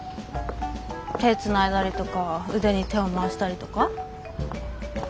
手つないだりとか腕に手を回したりとか？